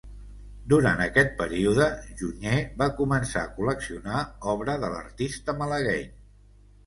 Durant aquest període, Junyer va començar a col·leccionar obra de l'artista malagueny.